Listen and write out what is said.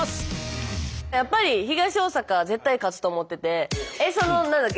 やっぱり東大阪絶対勝つと思ってて。